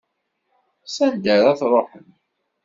S anda ara truḥem?